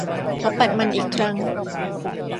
เขาปัดมันอีกครั้ง